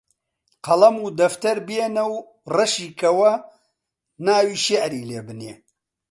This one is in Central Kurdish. قەڵەم و دەفتەر بێنە و ڕەشی کەوە ناوی شیعری لێ بنێ